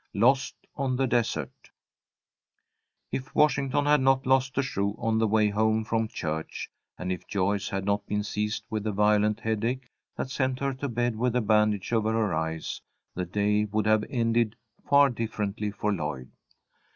LOST ON THE DESERT IF Washington had not lost a shoe on the way home from church, and if Joyce had not been seized with a violent headache that sent her to bed with a bandage over her eyes, the day would have ended far differently for Lloyd.